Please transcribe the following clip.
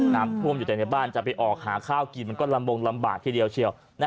น้ำท่วมอยู่แต่ในบ้านจะไปออกหาข้าวกินมันก็ลำบงลำบากทีเดียวเชียว